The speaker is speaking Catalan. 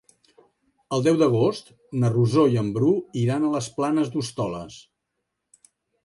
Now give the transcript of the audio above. El deu d'agost na Rosó i en Bru iran a les Planes d'Hostoles.